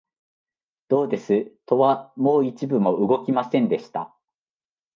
どうです、戸はもう一分も動きませんでした